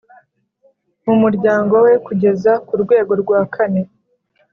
mu muryango we kugeza ku rwego rwa kane